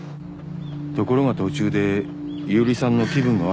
ところが途中で伊織さんの気分が悪くなって。